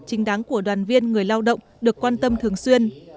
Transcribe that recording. chính đáng của đoàn viên người lao động được quan tâm thường xuyên